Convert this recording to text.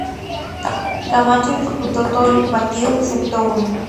Camacho disputó todos los partidos excepto uno.